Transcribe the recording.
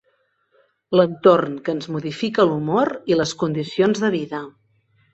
L'entorn que ens modifica l'humor i les condicions de vida.